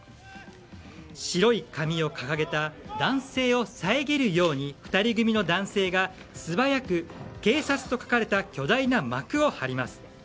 白い紙を掲げた男性を遮るように２人組の男性が素早く「警察」と書かれた巨大な幕を張ります。